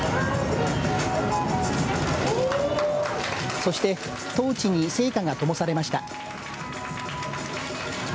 そして、トーチに聖火がともされました。